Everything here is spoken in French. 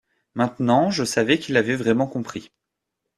Maintenant je savais qu’il avait vraiment compris.